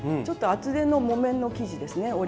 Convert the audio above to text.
ちょっと厚手の木綿の生地ですね